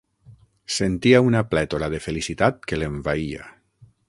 Sentia una plètora de felicitat que l'envaïa.